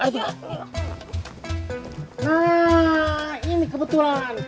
nah ini kebetulan